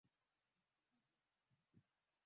Usiniamshe katikati ya usiku tafadhali